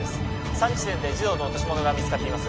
３地点で児童の落とし物が見つかっています